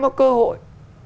có cơ hội